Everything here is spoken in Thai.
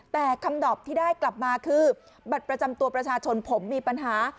แต่คำตอบที่ได้กลับมาคือบัตรประจำตัวประชาชนผมมีปัญหา